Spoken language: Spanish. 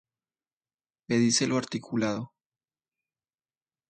Pedicelo articulado.